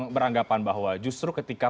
beranggapan bahwa justru ketika